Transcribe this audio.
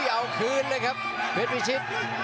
เอาคืนเลยครับเพชรพิชิต